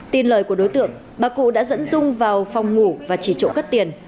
tin lời của đối tượng bà cụ đã dẫn dung vào phòng ngủ và chỉ trộm cắp tiền